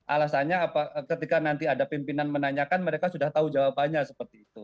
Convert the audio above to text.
alasannya ketika nanti ada pimpinan menanyakan mereka sudah tahu jawabannya seperti itu